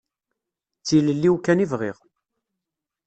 D tilelli-w kan i bɣiɣ.